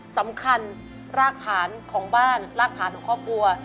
สำหรับรากฐานของบ้านรากฐานของครอบครัว